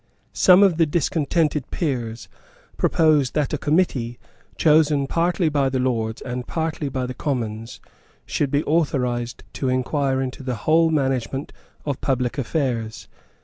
Some of the discontented peers proposed that a Committee, chosen partly by the Lords and partly by the Commons, should be authorised to inquire into the whole management of public affairs.